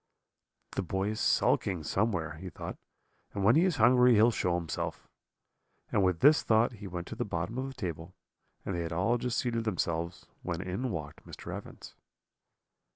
"'The boy is sulking somewhere,' he thought, 'and when he is hungry he will show himself;' and with this thought he went to the bottom of the table; and they had all just seated themselves, when in walked Mr. Evans.